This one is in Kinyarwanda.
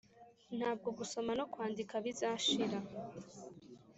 ntabwo gusoma no kwandika bizashira